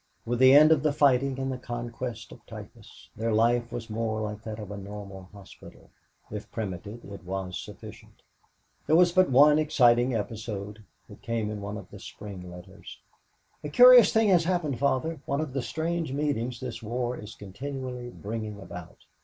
With the end of the fighting and the conquest of typhus their life was more like that of a normal hospital. If primitive, it was sufficient. There was but one exciting episode. It came in one of the spring letters. "A curious thing has happened, Father; one of the strange meetings this war is continually bringing about.